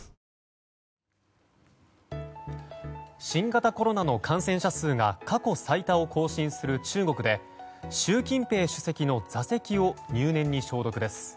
新型コロナの感染者数が過去最多を更新する中国で習近平主席の座席を入念に消毒です。